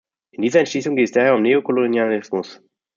In dieser Entschließung geht es daher um Neokolonialismus.